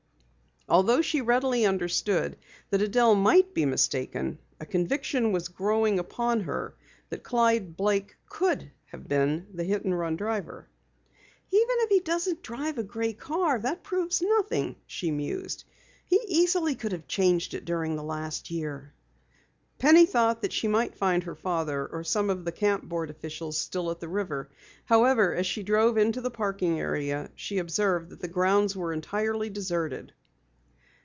Although she readily understood that Adelle might be mistaken, a conviction was growing upon her that Clyde Blake could have been the hit run driver. "Even if he doesn't drive a gray car, that proves nothing," she mused. "He easily could have changed it during the past year." Penny thought that she might find her father or some of the Camp Board officials still at the river. However, as she drove into the parking area, she observed that the grounds were entirely deserted.